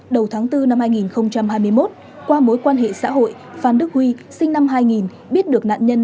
đầu tháng bốn năm hai nghìn hai mươi một qua mối quan hệ xã hội phan đức huy sinh năm hai nghìn biết được nạn nhân